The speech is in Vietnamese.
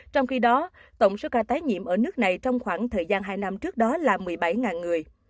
trong khi đó tổng số ca tái nhiễm ở nước này trong khoảng thời gian hai năm trước đó là một mươi bảy người